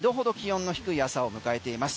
昨日に比べて２度ほど気温の低い朝を迎えています。